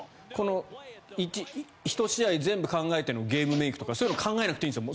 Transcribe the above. １試合全部考えてのゲームメイクとか、そういうの考えなくていいんですよ。